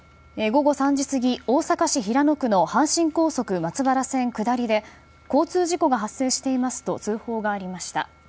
午後３時過ぎ、大阪市平野区の阪神高速松原線下りで交通事故が発生していますと通報がありました。